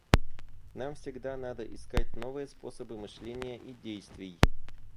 Нам всегда надо искать новые способы мышления и действий.